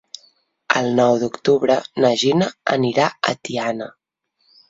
El nou d'octubre na Gina anirà a Tiana.